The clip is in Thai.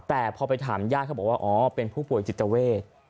แต่พอไปถามญาติเขาบอกว่าอ๋อเป็นผู้ป่วยจิตเวท